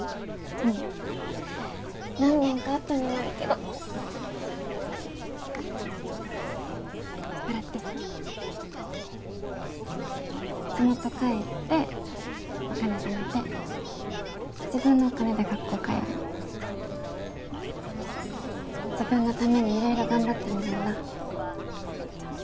うん何年かあとになるけどはい笑って地元帰ってお金ためて自分のお金で学校通うの自分のために色々頑張ってみるんだ